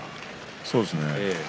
そうですね。